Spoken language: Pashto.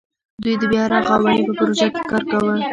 دوی د بیا رغاونې په پروژه کې کار کاوه.